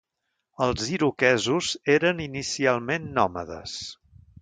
Els iroquesos eren inicialment nòmades.